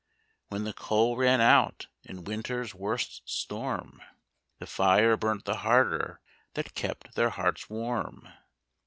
When the coal ran out in winter's worst storm, The fire burnt the harder that kept their hearts warm.